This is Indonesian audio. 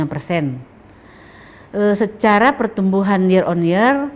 aspek perdagangan menjadi sumber pertumbuhan pdr bertertinggi